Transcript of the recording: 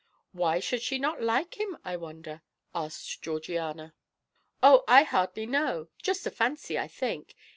"Why should she not like him, I wonder?" asked Georgiana. "Oh, I hardly know. Just a fancy, I think.